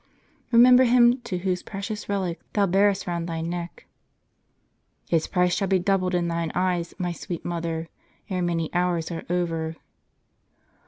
* Remember him too whose precious relic thou bearest round thy neck." "Its price shall be doubled in thine eyes, my sweet mother, ere many hours are over."